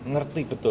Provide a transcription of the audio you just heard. dan mengerti betul